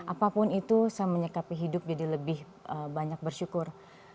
apapun itu saya menyekapi hidup jadi lebih banyak bersyukur